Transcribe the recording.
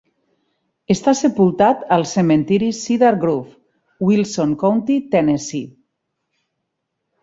Està sepultat al cementiri Cedar Grove, Wilson County, Tennessee.